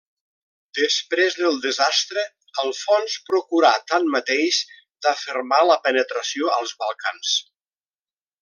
Després del desastre, Alfons procurà, tanmateix, d'afermar la penetració als Balcans.